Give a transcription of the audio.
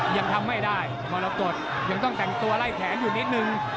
ยังทำไม่ได้มรกฏยังต้องแต่งตัวไล่แขนอยู่นิดนึง